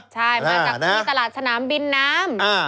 ใช่มาจากที่ตลาดสนามบินน้ำ